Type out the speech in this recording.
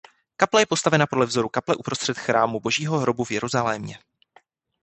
Kaple je postavena podle vzoru kaple uprostřed Chrámu Božího hrobu v Jeruzalémě.